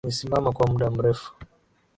Umesimama kwa muda mrefu.